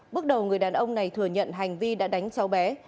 bước đầu người đàn ông này thừa nhận hành vi đã đánh cháu bé